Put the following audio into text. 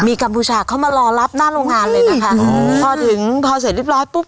มีกัมพูชาเขามารอรับหน้าโรงงานเลยนะคะอ๋อพอถึงพอเสร็จเรียบร้อยปุ๊บ